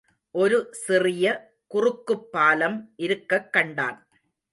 ஒரு சிறிய குறுக்குப் பாலம் இருக்கக் கண்டான்.